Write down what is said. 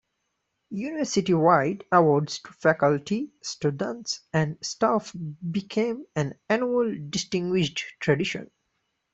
University-wide awards to faculty, students, and staff became an annual, distinguished tradition.